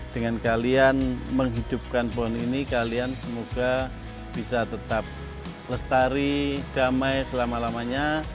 dengan kalian menghidupkan pohon ini kalian semoga bisa tetap lestari damai selama lamanya